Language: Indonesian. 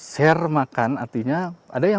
share makan artinya ada yang